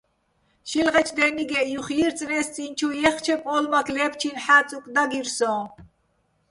შილღეჩო̆ დე́ნიგეჸ ჲუხ ჲირწნე́ს, წი́ნ ჩუ ჲეხჩე პო́ლმაქ ლე́ფჩი́ნი̆ ჰ̦ა́წუგ დაგირ სოჼ.